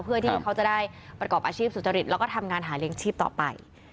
เพื่อที่เขาจะได้ประกอบอาชีพสุจริตแล้วก็ทำงานหาเลี้ยงชีพต่อไป